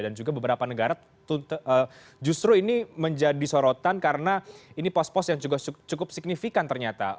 dan juga beberapa negara justru ini menjadi sorotan karena ini pos pos yang cukup signifikan ternyata